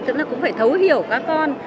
tưởng là cũng phải thấu hiểu các con